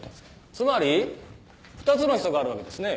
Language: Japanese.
つまり２つのヒ素があるわけですね。